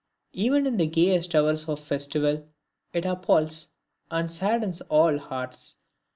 Even in the gayest hours of festival, it appalls and saddens all hearts.